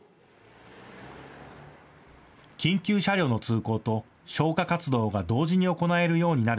緊急車両の通行と消火活動が同時に行えるようになる